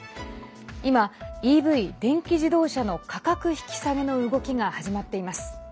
今、ＥＶ＝電気自動車の価格引き下げの動きが始まっています。